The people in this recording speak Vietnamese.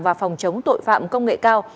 và phòng chống tội phạm công nghệ cao